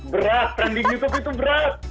berat trending youtube itu berat